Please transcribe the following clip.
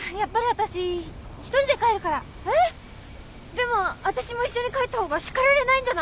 でもわたしも一緒に帰ったほうがしかられないんじゃない？